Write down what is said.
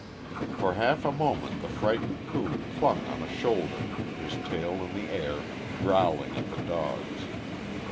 For half a moment the frightened coon clung on a shoulder, his tail in the air, growling at the dogs.